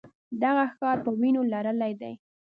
دغه ښار په وینو لړلی دی.